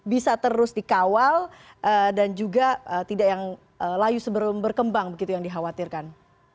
bisa terus dikawal dan juga tidak yang layu sebelum berkembang begitu yang dikhawatirkan